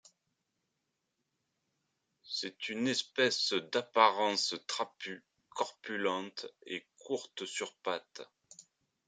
C'est une espèce d'apparence trapue, corpulente et courte sur patte.